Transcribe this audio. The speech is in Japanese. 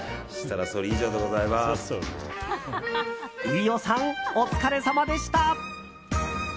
飯尾さん、お疲れさまでした！